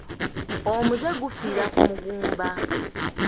Omuzze gufiira ku muguumba.